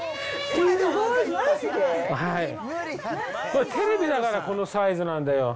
これ、テレビだから、このサイズなんだよ。